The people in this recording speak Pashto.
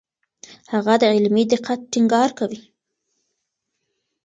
هغه د علمي دقت ټینګار کوي.